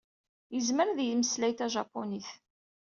Yezmer ad yemmeslay tajapunit.